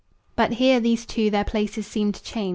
But here these two their places seem to change.